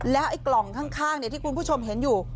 แล้วไอ้กล่องข้างที่คุณผู้ชมเห็นอยู่